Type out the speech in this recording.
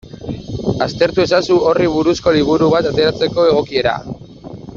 Aztertu ezazu horri buruzko liburu bat ateratzeko egokiera.